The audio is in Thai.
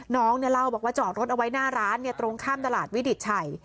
น้องเล่าบอกว่าจอดรถเอาไว้หน้าร้านตรงข้ามตลาดวิดิตชัย